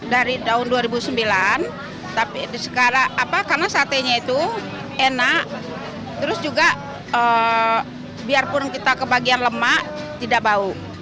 dari tahun dua ribu sembilan karena satenya itu enak terus juga biarpun kita kebagian lemak tidak bau